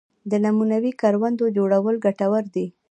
د نمونوي کروندو جوړول ګټور دي